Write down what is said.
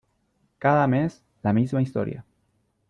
Cada mes, la misma historia.